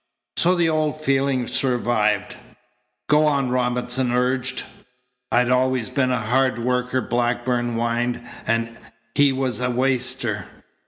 So the old feeling survived. "Go on," Robinson urged. "I'd always been a hard worker," Blackburn whined, "and he was a waster.